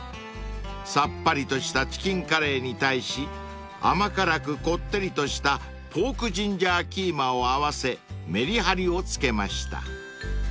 ［さっぱりとしたチキンカレーに対し甘辛くこってりとしたポークジンジャーキーマを合わせめりはりをつけました］